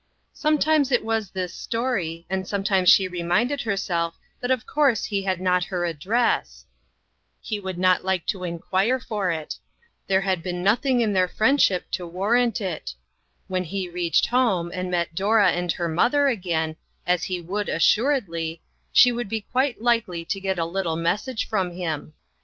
Sometimes it was this story, and sometimes she reminded herself that of course he had not her address ; he would not like to inquire for it; there had been nothing in their friendship to warrant it ; when he reached home, and met Dora and her mother again, as he would assuredly, s^ie would be quite likely to get a little message from him.